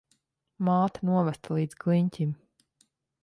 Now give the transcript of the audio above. Māte novesta līdz kliņķim.